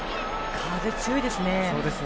風強いですね。